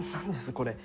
これ。